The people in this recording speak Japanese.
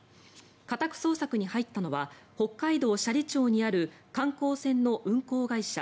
家宅捜索に入ったのは北海道斜里町にある観光船の運航会社